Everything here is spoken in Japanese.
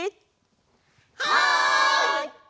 はい！